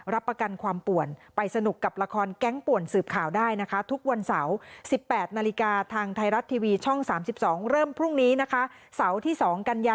รับประกันความป่วนไปสนุกกับละครแก๊งป่วนสืบข่าวได้นะคะทุกวันเสาร์